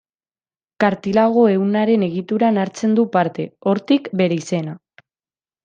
Kartilago ehunaren egituran hartzen du parte, hortik bere izena.